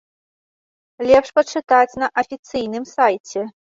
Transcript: Лепш пачытаць на афіцыйным сайце.